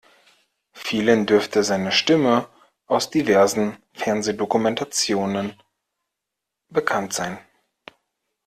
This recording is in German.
Vielen dürfte seine Stimme aus diversen Fernsehdokumentationen bekannt sein.